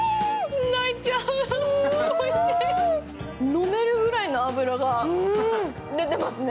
飲めるぐらいの脂が出てますね。